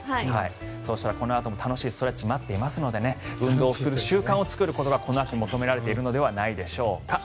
そしたら、このあとも楽しいストレッチが待っているので運動をする習慣を作ることがこの秋、求められているのではないでしょうか。